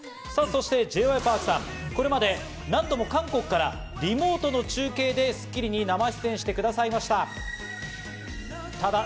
そしてＪ．Ｙ．Ｐａｒｋさん、これまで何度も韓国からリモートの中継で『スッキリ』に生出演してくださいました。